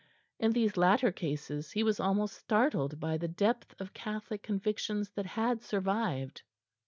In these latter cases he was almost startled by the depth of Catholic convictions that had survived.